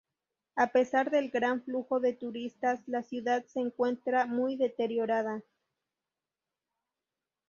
A pesar del gran flujo de turistas, la ciudad se encuentra muy deteriorada.